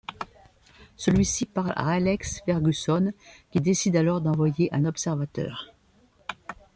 Celui-ci parle à Alex Ferguson qui décide alors d'envoyer un observateur.